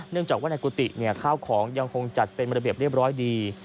จากว่าในกุฏิข้าวของยังคงจัดเป็นระเบียบเรียบร้อยดี